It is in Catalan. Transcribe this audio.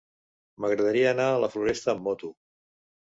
M'agradaria anar a la Floresta amb moto.